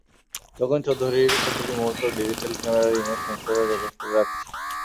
যোগেন চৌধুরীর প্রতিটি মুহূর্ত ডিজিটাল ক্যামেরার ইমেজ সেন্সরে রেকর্ড করে রাখছি।